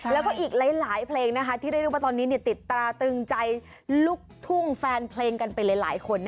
แล้วก็อีกหลายเพลงที่ได้รู้ว่าตอนนี้ติดตราตึงใจลูกทุ่งแฟนเพลงกันไปหลายคน